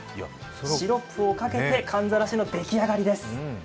シロップをかけて、かんざらしの出来上がりです。